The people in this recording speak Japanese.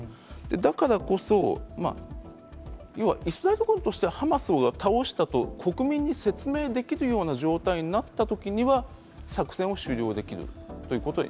だからこそ、要はイスラエル軍としてはハマスを倒したと国民に説明できるような状態になったときには、作戦を終了できるということに。